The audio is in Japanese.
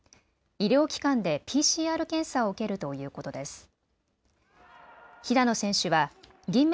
医療機関でＰＣＲ検査を受けるということです。